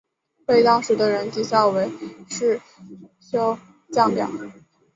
被当时的人讥笑为世修降表。